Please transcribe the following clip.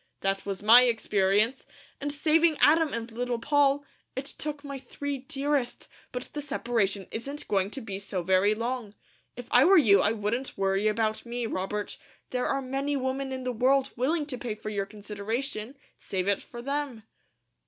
That was my experience, and saving Adam and Little Poll, it took my three dearest; but the separation isn't going to be so very long. If I were you I wouldn't worry about me, Robert. There are many women in the world willing to pay for your consideration; save it for them."